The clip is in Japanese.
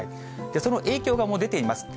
その影響がもう出ています。